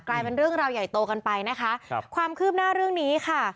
กลายเป็นเรื่องราวใหญ่โตกันไปนะคะครับความคืบหน้าเรื่องนี้ค่ะ